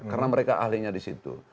karena mereka ahlinya di situ